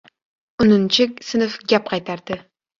Uninchi sinf gap qaytaradi: